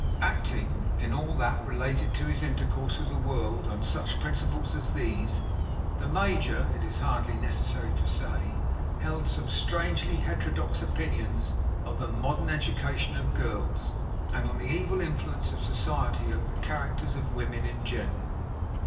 Acting, in all that related to his intercourse with the world, on such principles as these, the major, it is hardly necessary to say, held some strangely heterodox opinions on the modern education of girls, and on the evil influence of society over the characters of women in general.